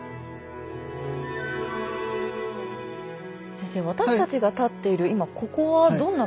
先生私たちが立っている今ここはどんな場所なんでしょうか？